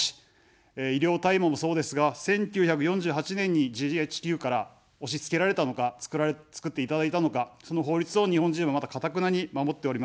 医療大麻もそうですが、１９４８年にＧＨＱから押しつけられたのか、作っていただいたのか、その法律を日本人は、まだかたくなに守っております。